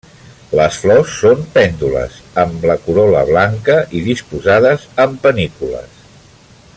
Les flors són pèndules, amb la corol·la blanca i disposades en panícules.